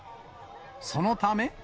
そのため。